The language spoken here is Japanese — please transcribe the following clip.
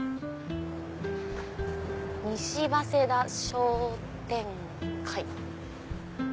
「西早稲田商店会」。